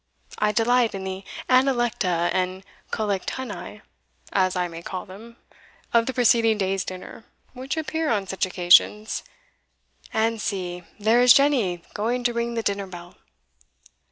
I delight in the analecta, the collectanea, as I may call them, of the preceding day's dinner, which appear on such occasions And see, there is Jenny going to ring the dinner bell."